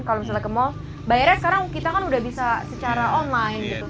kalau misalnya ke mall bayarnya sekarang kita kan udah bisa secara online gitu